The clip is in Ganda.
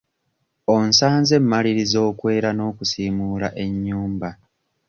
Onsanze mmalirizza okwera n'okusiimuula ennyumba.